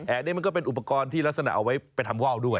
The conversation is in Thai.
อันนี้มันก็เป็นอุปกรณ์ที่ลักษณะเอาไว้ไปทำว่าวด้วย